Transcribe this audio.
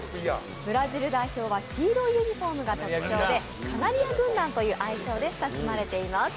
ブラジル代表は黄色いユニフォームが特徴でカナリア軍団という愛称で親しまれています。